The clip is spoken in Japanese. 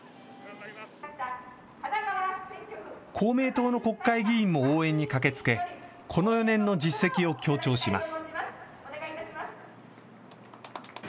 公明党の国会議員も応援に駆けつけ、この４年の実績を強調します。